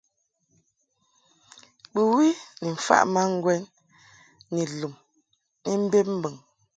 Bɨwi ni mfaʼ ma ŋgwɛn ni lum ni mbeb mbɨŋ.